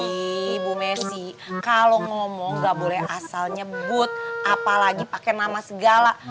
ih ibu messi kalo ngomong gak boleh asal nyebut apalagi pake nama segala